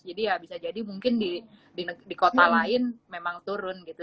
jadi ya bisa jadi mungkin di kota lain memang turun gitu